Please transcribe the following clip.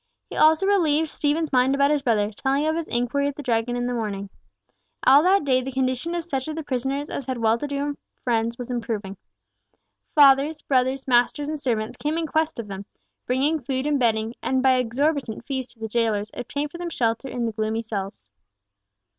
He also relieved Stephen's mind about his brother, telling of his inquiry at the Dragon in the morning. All that day the condition of such of the prisoners as had well to do friends was improving. Fathers, brothers, masters, and servants, came in quest of them, bringing food and bedding, and by exorbitant fees to the jailers obtained for them shelter in the gloomy cells.